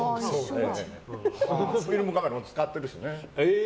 フィルムカメラも使っているしね。